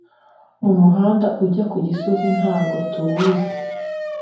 umuhanda ujya kugisozi ntago tuwuzi